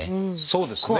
そうですね。